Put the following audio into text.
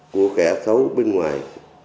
của kẻ xấu bên ngoài